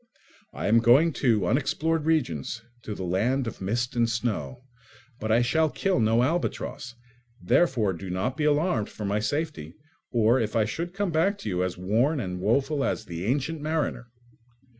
I am going to unexplored regions, to "the land of mist and snow," but I shall kill no albatross; therefore do not be alarmed for my safety or if I should come back to you as worn and woeful as the "Ancient Mariner."